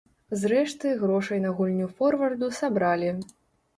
Зрэшты, грошай на гульню форварду сабралі.